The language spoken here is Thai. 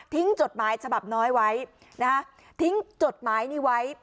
จดหมายฉบับน้อยไว้นะฮะทิ้งจดหมายนี้ไว้